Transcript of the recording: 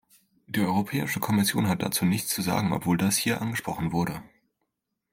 Die Europäische Kommission hat dazu nichts zu sagen, obwohl das hier angesprochen wurde.